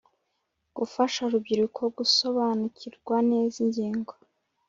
Gufasha urubyiruko gusobanukirwa neza ingingo